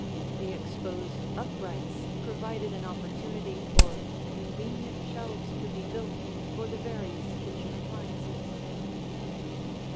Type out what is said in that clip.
The exposed uprights provided an opportunity for convenient shelves to be built for the various kitchen appliances.